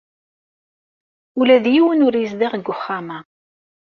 Ula d yiwen ur yezdiɣ deg wexxam-a.